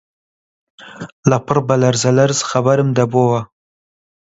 لەپڕ بە لەرزە لەرز خەبەرم دەبۆوە